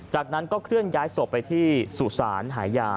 จากนั้นก็เคลื่อนย้ายศพไปที่สุสานหายา